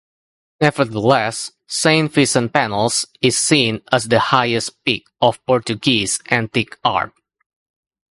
Nevertheless, "Saint Vicent Panels" is seen as the highest peak of Portuguese antique art.